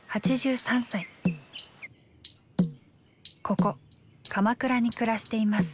ここ鎌倉に暮らしています。